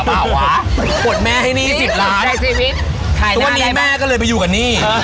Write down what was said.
ส่วนอันนี้ให้แม่๑๐ล้าน